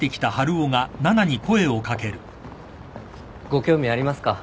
ご興味ありますか？